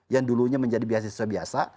yang dulunya menjadi beasiswa biasa